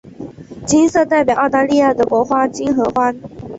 金色代表澳大利亚的国花金合欢。